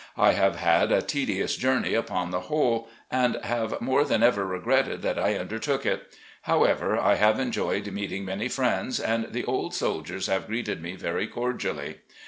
I have had a tedious journey upon the whole, and have more than ever regretted that I undertook it. However, I have enjoyed meeting many friends, and the old soldiers have greeted me very cordially.